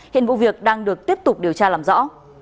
hiện vụ việc đang được tiếp tục điều tra làm rõ